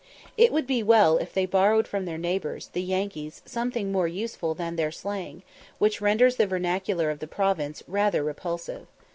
It would be well if they borrowed from their neighbours, the Yankees, something more useful than their slang, which renders the vernacular of the province rather repulsive.